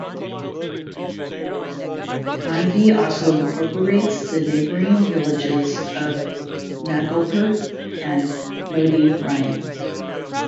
Mandvi also incorporates the neighboring villages of Nagalpur and Moti Rayan.